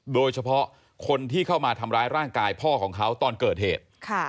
โดยเฉพาะคนที่เข้ามาทำร้ายร่างกายพ่อของเขาตอนเกิดเหตุ